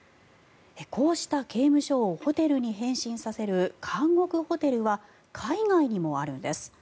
こうした、刑務所をホテルに変身させる監獄ホテルは海外にもあるんです。